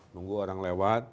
tunggu orang lewat